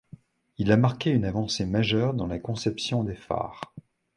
Il a marqué une avancée majeure dans la conception des phares.